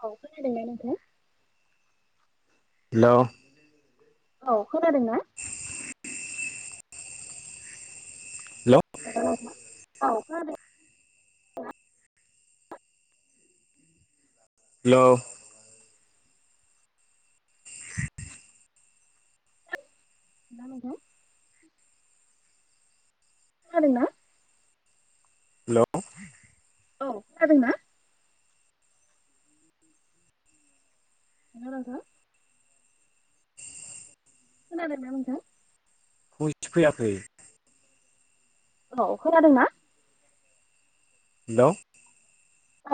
औ खोनादोंना नोंथां हेलौ औ खोनादों ना [inaudible] हेलौ [unintelligible] हेलौ ना‌ नोथां खोनादोंना हेलौ औ खोनादों ना हेलौ नोंथां खोनादोंना नोंथां [unintelligible] फैयाखै औ खोनादोंना हेलौ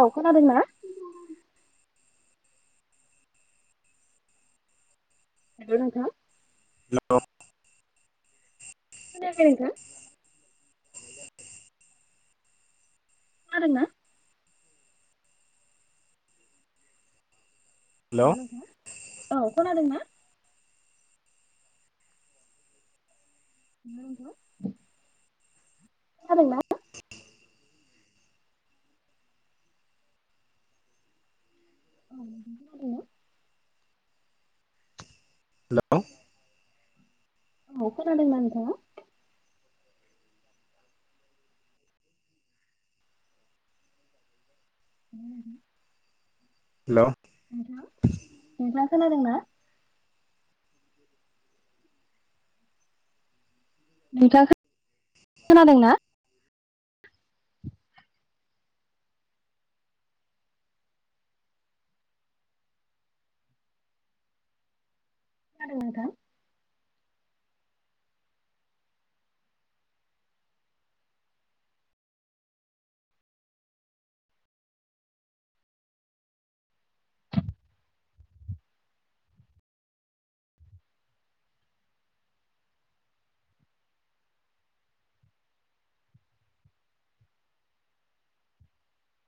औ खोनादोंना हेलौ नोंथां औ खोनायाखै नोंथां खोनादों ना हेलौ औ खोनादों ना [unintelligible] औ नोंथां खोनादोंना हेलौ औ खोनादोंना नोंथां [unintelligible] हेलौ नोंथां नोंथाङा खोनादों ना नोंथाङा खोना खोनादोंना। खोनादों नोंथां